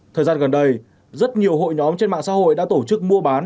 thời gian gần đây rất nhiều hội nhóm trên mạng xã hội đã tổ chức mua bán